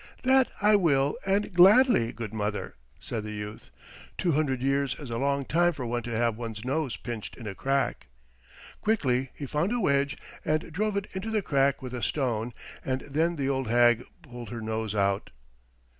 "That I will and gladly, good mother," said the youth. "Two hundred years is a long time for one to have one's nose pinched in a crack." Quickly he found a wedge and drove it into the crack with a stone, and then the old hag pulled her nose out.